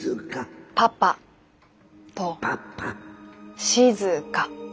「パパ」と「静」。